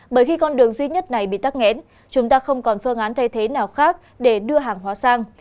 bởi khi con đường duy nhất này bị tắt nghẽn chúng ta không còn phương án thay thế nào khác để đưa hàng hóa sang